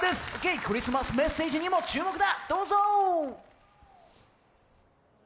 クリスマスメッセージにも注目だ。